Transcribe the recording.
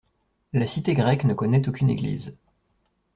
La cité grecque ne connaît aucune Église.